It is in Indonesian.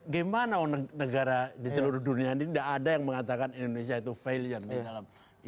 gimana negara di seluruh dunia ini tidak ada yang mengatakan indonesia itu failure di dalam